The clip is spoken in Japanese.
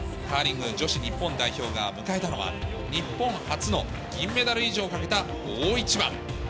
カーリング女子日本代表が迎えたのは、日本初の銀メダル以上をかけた大一番。